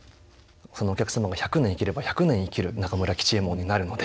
そのお客様が１００年生きれば１００年生きる中村吉右衛門になるので。